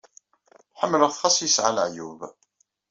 Ḥemmleɣ-t, ɣas yesɛa leɛyub.